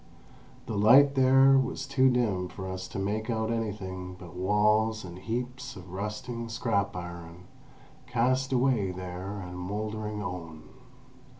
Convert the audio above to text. The light there was too dim for us to make out anything but walls and heaps of rusting scrap iron cast away there and mouldering own.